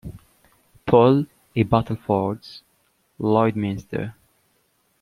Paul et Battlefords—Lloydminster.